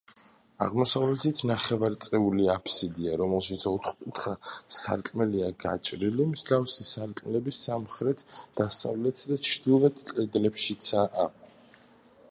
აღმოსავლეთით ნახევარწრიული აფსიდია, რომელშიც ოთხკუთხა სარკმელია გაჭრილი, მსგავსი სარკმლები სამხრეთ, დასავლეთ და ჩრდილოეთ კედლებშიცაა.